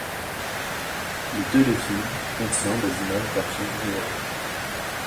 Le téléfilm contient des images d'archives réelles.